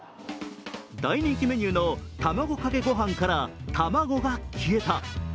大人気メニューの卵かけご飯から卵が消えた。